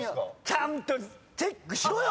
ちゃんとチェックしろよ！